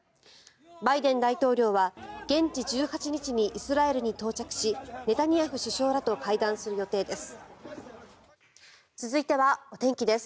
バイデン大統領は現地１８日にイスラエルに到着しネタニヤフ首相らと会談する予定です。